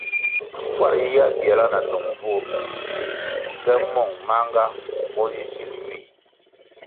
Kwar yiyihya biala na dong vur nte mong manʼnga mo zi sil ywih.